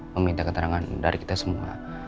meminta keterangan dari kita semua